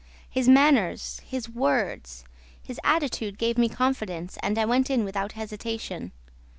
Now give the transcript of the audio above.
His manners, his words, his attitude gave me confidence and I went in without hesitation.